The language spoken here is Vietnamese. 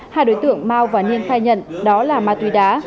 hai đối tượng mau và niên khai nhận đó là ma túy đá